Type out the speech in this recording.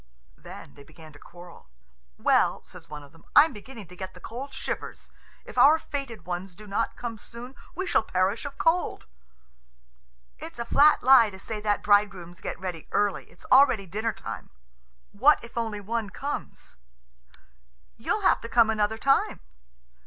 Then they began to quarrel. "Well," says one of them, "I'm beginning to get the cold shivers. If our fated ones do not come soon, we shall perish of cold." "It's a flat lie to say that bridegrooms get ready early. It's already dinner time." "What if only one comes?" "You'll have to come another time."